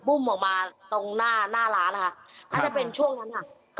อุ้มออกมาตรงหน้าหน้าร้านนะคะน่าจะเป็นช่วงนั้นค่ะ